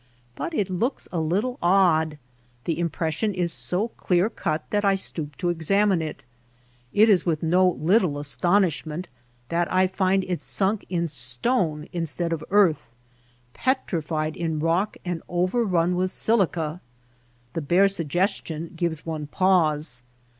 But it looks a little odd. The im pression is so clear cut that I stoop to examine it. It is with no little astonishment that I find it sunk in stone instead of earth — petrified in rock and overrun with silica. The bare sug gestion gives one pause.